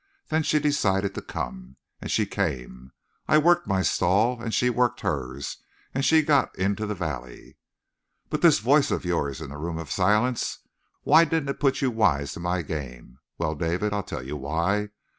Then she decided to come, and she came. I worked my stall and she worked hers, and she got into the valley. "But this voice of yours in the Room of Silence why didn't it put you wise to my game? Well, David, I'll tell you why.